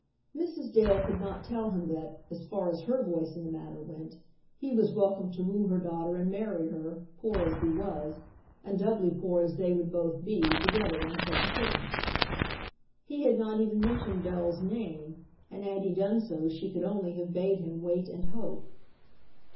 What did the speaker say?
Mrs. Dale could not tell him that, as far as her voice in the matter went, he was welcome to woo her daughter and marry her, poor as he was, and doubly poor as they would both be together on such a pittance. He had not even mentioned Bell's name, and had he done so she could only have bade him wait and hope.